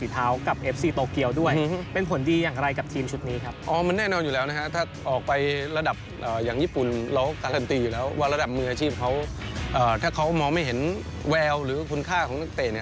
ถ้าเขามองไม่เห็นแววหรือคุณค่าของนักเตะเนี่ย